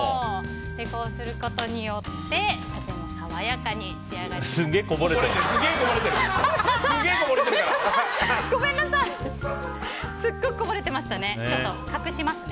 こうすることによってとても爽やかに仕上がります。